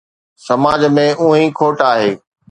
سماج ۾ اونهي کوٽ آهي